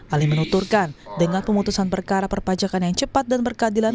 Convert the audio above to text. ali menuturkan dengan pemutusan perkara perpajakan yang cepat dan berkeadilan